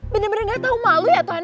bener bener gak tau malu ya tuhan